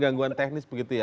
gangguan teknis begitu ya